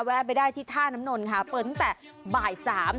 ไปได้ที่ท่าน้ำนนท์ค่ะเปิดตั้งแต่บ่ายสาม